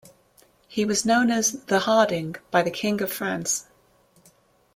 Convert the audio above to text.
He was known as "the Harding" by the king of France.